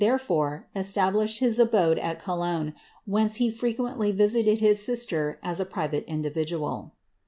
therefore esti blislied his abode at Cologne, whence he frequently visited his sister as a private individual.